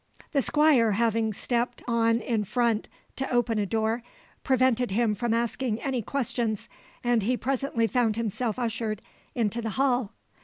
The Squire having stepped on in front to open a door, prevented him from asking any questions, and he presently found himself ushered into the hall.